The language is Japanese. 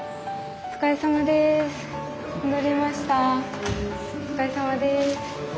お疲れさまです。